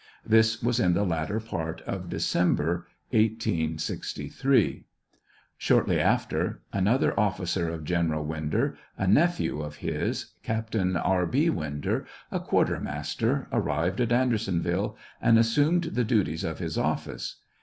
This was in the lat ter part of December, 1863. Shortly after, another officer of General Winder, a nephew of his, Oaptam R. B. Winder, a quartermaster, arrived at Andersonviile and assumed the duties of his office.